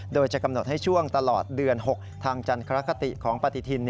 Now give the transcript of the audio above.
โดยจะกำหนดให้ช่วงตลอดเดือน๖ทางจันทรคติของปฏิทิน